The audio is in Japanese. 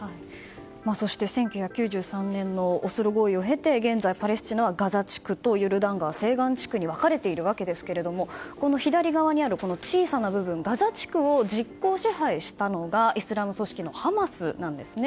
そして１９９３年のオスロ合意を経て現在パレスチナはガザ地区とヨルダン川西岸地区に分かれていますがこの左側にある小さな部分ガザ地区を実効支配したのがイスラム組織のハマスなんです。